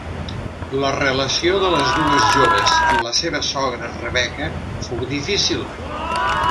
La relació de les dues joves amb la seva sogra Rebeca fou difícil.